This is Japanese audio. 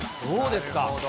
どうですか。